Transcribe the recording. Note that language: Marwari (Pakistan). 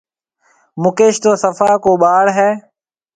مڪيش تو سڦا ڪو ٻاݪ هيَ۔